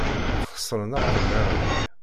Xeṣren aqemmer-nni.